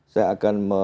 saya akan mem